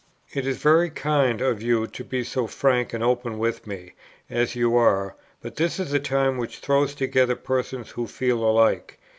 "It is very kind of you to be so frank and open with me, as you are; but this is a time which throws together persons who feel alike.